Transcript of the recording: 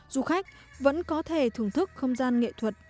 du khách vẫn có thể thưởng thức không gian nghệ thuật